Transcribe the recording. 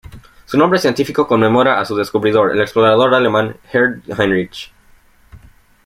Su nombre científico conmemora a su descubridor, el explorador alemán Gerd Heinrich.